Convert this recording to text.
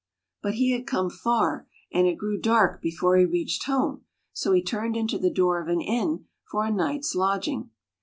But he had come far, and it grew dark before he reached home, so he turned into the door of an inn, for a night's lodging.